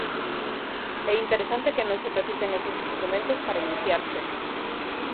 É interesante que non se precisen eses instrumentos para iniciarse.